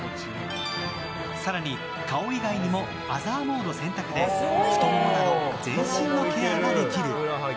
更に、顔以外にもアザーモード選択で太ももなど全身のケアができる。